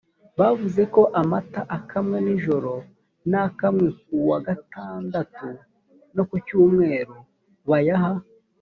bavuze ko amata akamwe ninjoro n akamwe ku wa gatandatu no ku cyumweru bayaha